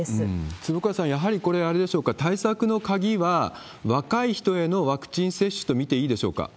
坪倉さん、やはりこれ、あれでしょうか、対策の鍵は、若い人へのワクチン接種と見ていいでしょうか。